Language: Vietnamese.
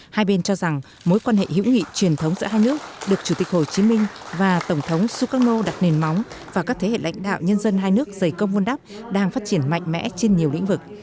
hai bên cho rằng mối quan hệ hữu nghị truyền thống giữa hai nước được chủ tịch hồ chí minh và tổng thống sukarno đặt nền móng và các thế hệ lãnh đạo nhân dân hai nước dày công vun đắp đang phát triển mạnh mẽ trên nhiều lĩnh vực